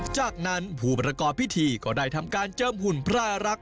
จากนั้นผู้ประกอบพิธีก็ได้ทำการเจิมหุ่นพลายรัก